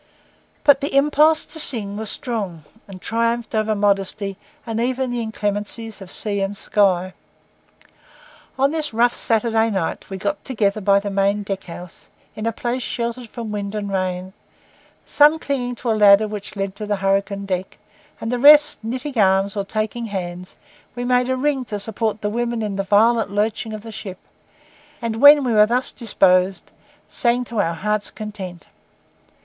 But the impulse to sing was strong, and triumphed over modesty and even the inclemencies of sea and sky. On this rough Saturday night, we got together by the main deck house, in a place sheltered from the wind and rain. Some clinging to a ladder which led to the hurricane deck, and the rest knitting arms or taking hands, we made a ring to support the women in the violent lurching of the ship; and when we were thus disposed, sang to our hearts' content.